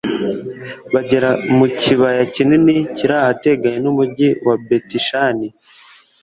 bagera mu kibaya kinini kiri ahateganye n'umugi wa betishani